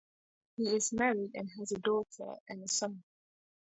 He is married and has a daughter and a son.